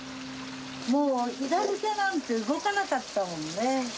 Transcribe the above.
もう左手なんて動かなかったもんね。